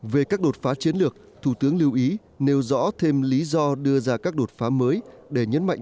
về các đột phá chiến lược thủ tướng lưu ý nêu rõ thêm lý do đưa ra các đột phá mới để nhấn mạnh